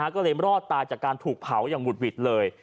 ก็เลยรอดตายจากการถูกเผาอย่างหุดหวิดเลย